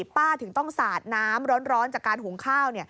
ป้าถึงต้องสาดน้ำร้อนจากการหุงข้าว